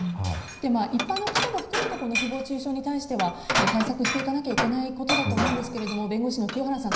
一般の方も含めて誹謗中傷に対しては対策していかなきゃいけないことだと思うんですけど弁護士の清原さん